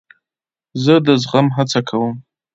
زه د زغم هڅه کوم.